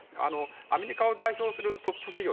アメリカを代表するトップ企業